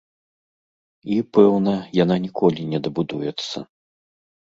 І, пэўна, яна ніколі не дабудуецца.